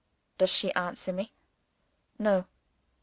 Does she answer me? No!